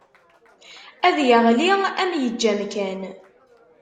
Ad yeɣli, ad m-yeǧǧ amkan.